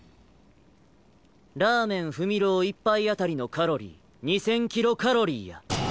「ラーメン二三郎」１杯当たりのカロリー２０００キロカロリーや。